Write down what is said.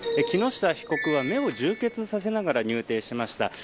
木下被告は目を充血させながら入廷しました。